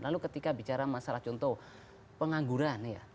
lalu ketika bicara masalah contoh pengangguran ya